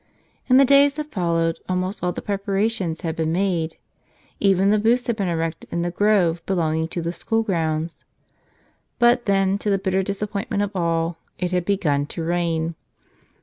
In the days that followed almost all the preparations had been made. Even the booths had been erected in the grove belonging to the schoolgrounds. But then, to the bitter disappointment of all, it had begun to rain.